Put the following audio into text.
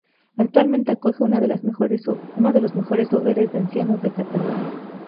Actualmente acoge una de los mejores hogares de ancianos de Cataluña.